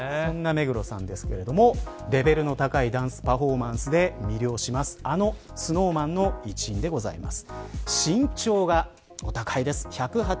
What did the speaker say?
そんな目黒さんですけどもレベルの高いダンスパフォーマンスで魅了するあのＳｎｏｗＭａｎの一員でございます。